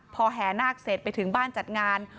พอแห่นาคเสร็จไปถึงบ้านจัดงาน